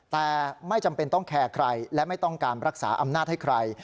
แต่ไม่จำเป็นต้องแคร์ใครและไม่ต้องการรักษาอำนาจให้ใคร